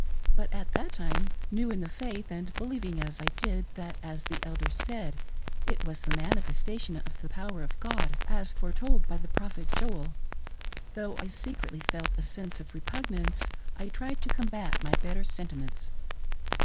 But at that time, new in the faith, and believing as I did, that, as the elders said, it was the manifestation of the power of God, as foretold by the prophet Joel, though I secretly felt a sense of repugnance, I tried to combat my better sentiments.